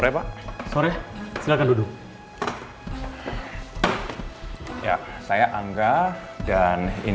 mengidentifikasi seseorang yang berkandung ke situ di tempat ini saya akan meneliti siapa itu